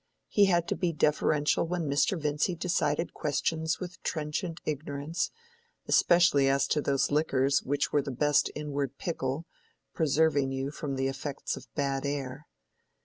He had to be deferential when Mr. Vincy decided questions with trenchant ignorance, especially as to those liquors which were the best inward pickle, preserving you from the effects of bad air.